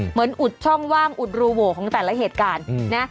อุดช่องว่างอุดรูโหวของแต่ละเหตุการณ์นะ